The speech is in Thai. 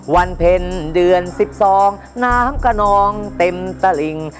วันเพ็ญเดือน๑๒น้ำกระนองเต็มตะหลิง